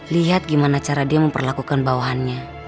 lihat gimana cara dia memperlakukan bawahannya